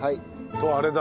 とあれだ。